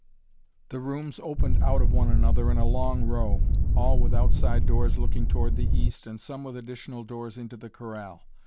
The rooms opened out of one another in a long row, all with outside doors looking toward the east and some with additional doors into the corral.